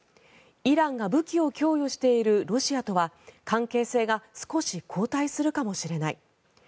イランが武器を供与しているロシアとは関係性が少し後退するかもしれない。